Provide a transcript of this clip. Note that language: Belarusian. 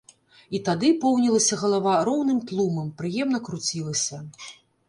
І тады поўнілася галава роўным тлумам, прыемна круцілася.